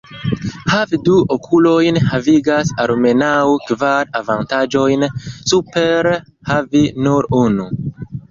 Havi du okulojn havigas almenaŭ kvar avantaĝojn super havi nur unu.